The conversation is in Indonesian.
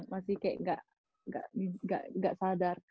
masih kayak enggak sadar